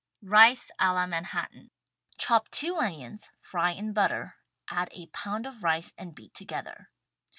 RICE A LA MANHATTAN Chop two onions — fry in butter, add a pound of rice and beat together.